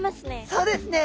そうですね。